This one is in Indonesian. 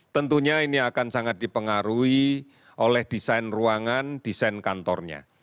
tentunya ini akan sangat dipengaruhi oleh desain ruangan desain kantornya